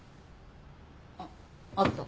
あっあった。